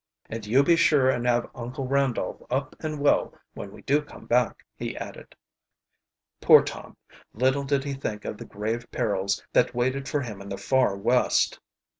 "And you be sure and have Uncle Randolph up and well when we do come back," he added. Poor Tom! little did he think of the grave perils that waited for him in the far West!